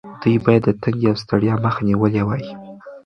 دوی باید د تندې او ستړیا مخه نیولې وای.